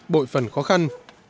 bội phần khó khăn